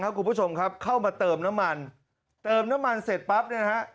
คุณผู้ชมครับเข้ามาเติมน้ำมันเติมน้ำมันเสร็จปั๊บเนี่ยนะฮะ